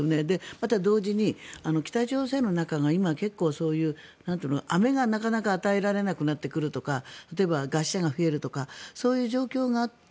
また同時に、北朝鮮の中が今、結構、そういうアメがなかなか与えられなくなってくるとか例えば餓死者が増えるとかそういう状況が。